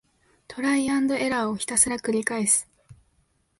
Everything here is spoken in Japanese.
トライアンドエラーをひたすらくりかえす